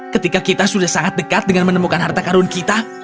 ketika kita sudah sangat dekat dengan menemukan harta karun kita